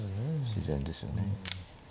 自然ですよね。